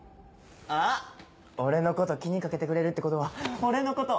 あっ俺のこと気に掛けてくれるってことは俺のこと。